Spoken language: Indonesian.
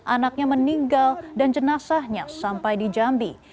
anaknya meninggal dan jenazahnya sampai di jambi